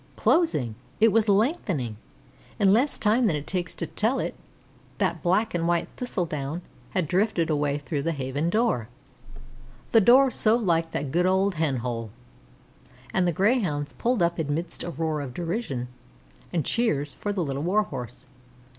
Closing! It was lengthening! In less time than it takes to tell it, that black and white thistledown had drifted away through the Haven door, the door so like that good old hen hole, and the Grey hounds pulled up amidst a roar of derision and cheers for the Little Warhorse.